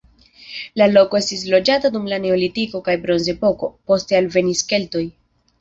La loko estis loĝata dum la neolitiko kaj bronzepoko, poste alvenis keltoj.